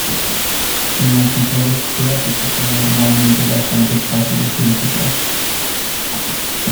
Los cifrados clásicos son normalmente bastante fáciles de descifrar.